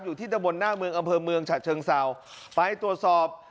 ที่ตะบนหน้าเมืองอำเภอเมืองฉะเชิงเศร้าไปตรวจสอบ